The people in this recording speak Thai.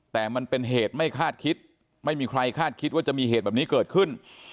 แต่มันเป็นเหตุไม่คาดคิดไม่มีใครคาดคิดว่าจะมีเหตุแบบนี้เกิดขึ้น